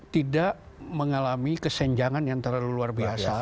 tidak mengalami kesenjangan yang terlalu luar biasa